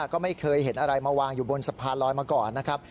ก็ไม่เคยเห็นอะไรมาวางอยู่บนสะพานลอยมาก่อนนะครับ